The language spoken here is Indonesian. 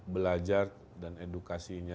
belajar dan edukasinya